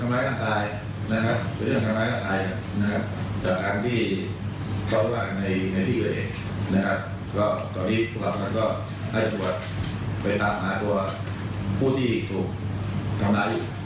ตอนนี้ผู้กับมันก็ให้กรุณไปตามหาตัวผู้ที่ถูกสำรอย